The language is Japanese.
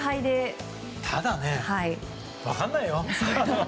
ただ、分からないよ。